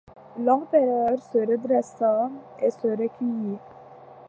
L’empereur se redressa et se recueillit.